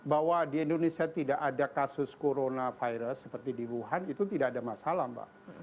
bahwa di indonesia tidak ada kasus coronavirus seperti di wuhan itu tidak ada masalah mbak